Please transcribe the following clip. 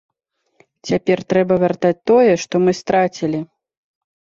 Цяпер трэба вяртаць тое, што мы страцілі.